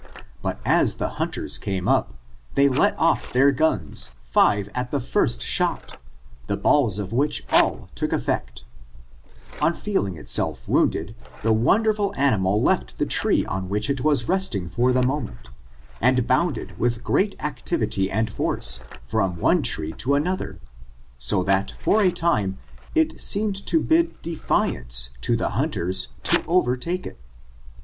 But as the hunters came up, they let ofif their guns, five at the first shot, the balls of which all took efiSsct. On r N^N^^^^Nv () S06 OaiOIN| CHABACTERi AND feeling itself woundedi the wonderful animal left the tree on which it was resting for the momenti and bounded with great activity and force, from one tree to another, so that for a time it seemed to bid defiance to the hunters to overtake it.